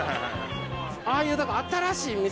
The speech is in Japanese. ああいうだから新しい店。